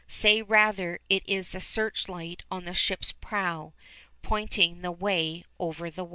Say rather it is the search light on the ship's prow, pointing the way over the waters.